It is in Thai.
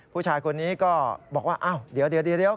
ผู้ชายก็บอกเล่าเดี๋ยว